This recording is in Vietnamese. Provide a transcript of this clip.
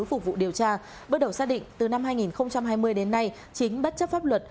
phục vụ điều tra bước đầu xác định từ năm hai nghìn hai mươi đến nay chính bất chấp pháp luật